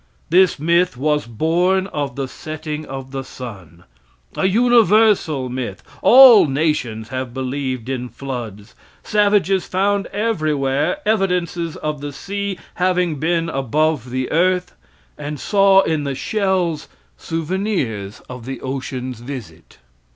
This myth was born of the setting of the sun. A universal myth, all nations have believed in floods. Savages found everywhere evidences of the sea having been above the earth, and saw in the shells souvenirs of the ocean's visit.